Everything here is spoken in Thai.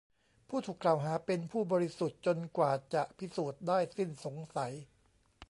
ผู้ถูกกล่าวหาเป็นผู้บริสุทธิ์จนกว่าจะพิสูจน์ได้สิ้นสงสัย